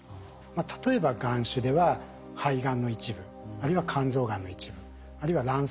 例えばがん種では肺がんの一部あるいは肝臓がんの一部あるいは卵巣がんの一部。